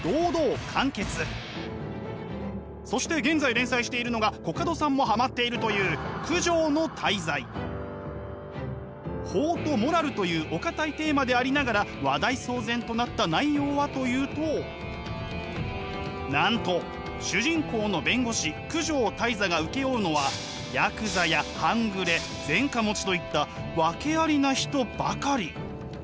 そして現在連載しているのがコカドさんもハマっているという法とモラルというお堅いテーマでありながら話題騒然となった内容はというとなんと主人公の弁護士九条間人が請け負うのはヤクザや半グレ前科持ちといった訳ありな人ばかり。